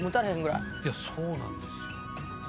いやそうなんですよ。